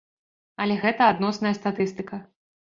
Але гэта адносная статыстыка.